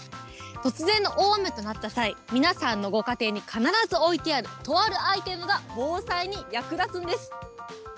突然の大雨となった際、皆さんのご家庭に必ず置いてあるとあるアイテムが防災に役立つんです。